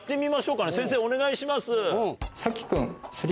先生お願いします。